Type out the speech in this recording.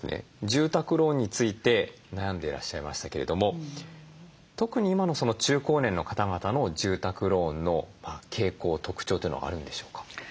住宅ローンについて悩んでいらっしゃいましたけれども特に今の中高年の方々の住宅ローンの傾向特徴というのはあるんでしょうか？